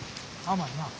甘いなあ。